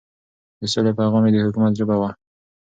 د سولې پيغام يې د حکومت ژبه وه.